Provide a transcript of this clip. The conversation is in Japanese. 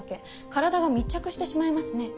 体が密着してしまいますね。